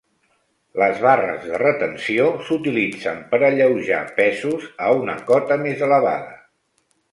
Les barres de retenció s'utilitzen per alleujar pesos a una cota més elevada.